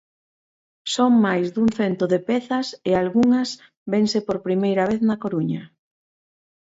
Son máis dun cento de pezas e algunhas vense por vez primeira na Coruña.